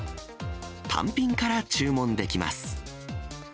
単品から注文できます。